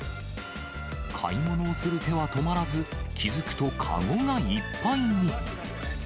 買い物をする手は止まらず、気付くと籠がいっぱいに。